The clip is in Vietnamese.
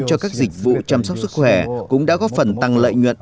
cho các dịch vụ chăm sóc sức khỏe cũng đã góp phần tăng lợi nhuận